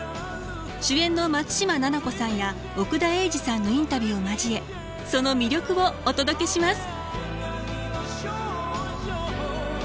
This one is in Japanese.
主演の松嶋菜々子さんや奥田瑛二さんのインタビューを交えその魅力をお届けします！